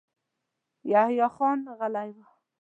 يحيی خان غلی و.